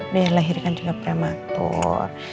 dia lahirkan juga prematur